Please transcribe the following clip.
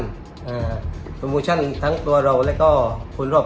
อ่าโปรโมชั่นทั้งตัวเราแล้วก็คนรอบ